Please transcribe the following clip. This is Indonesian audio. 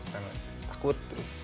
karena takut terus